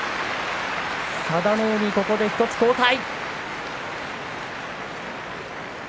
佐田の海、ここで１つ後退。